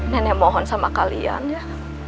nenek mohon sama kalian ya